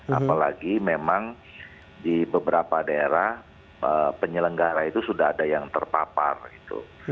apalagi memang di beberapa daerah penyelenggara itu sudah ada yang terpapar gitu